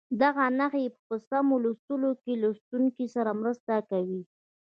دغه نښې په سمو لوستلو کې له لوستونکي سره مرسته کوي.